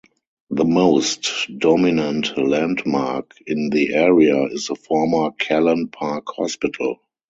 The most dominant landmark in the area is the former Callan Park hospital.